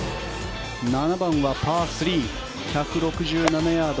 ７番はパー３１６７ヤード。